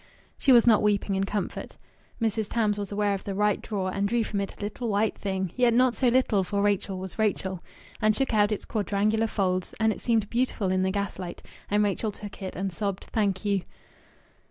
She was not weeping in comfort. Mrs. Tams was aware of the right drawer and drew from it a little white thing yet not so little, for Rachel was Rachel! and shook out its quadrangular folds, and it seemed beautiful in the gaslight; and Rachel took it and sobbed "Thank you."